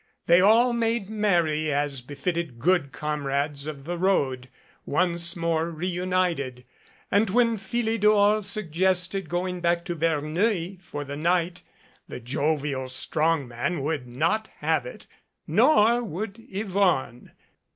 They all made merry as befitted good comrades of the road, once more reunited, and when Philidor suggested going back to Verneuil for the night the jovial strong man would not have it, nor would Yvonne.